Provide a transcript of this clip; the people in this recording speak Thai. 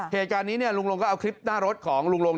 เหตุการณ์นี้ลุงลงก็เอาคลิปหน้ารถของลุงลง